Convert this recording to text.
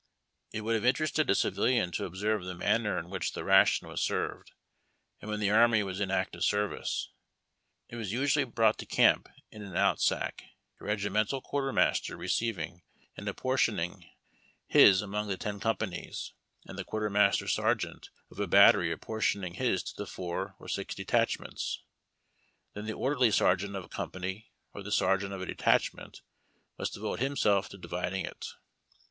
It would have interested a civilian to observe the manner ■ in which this ration was served out when the army was m active service. It was usually brought to camp in an oat saclc, a regimental quartermaster receiving and apportioning ARMY llATIO^^S. 123 his aniuug the ten companies, unci the quartermaster sergeant of a battery aj)portioning his to tlie four or six detachments. Then tlie oi'derly sergeant of a company or the sergeant of a detachment must devote himself to dividing it.